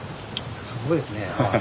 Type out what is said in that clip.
すごいですね。